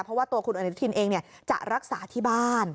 เพราะว่าตัวคุณอนุทินเองจะรักษาที่บ้าน